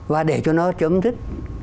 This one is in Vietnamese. và để cho nó chấm dứt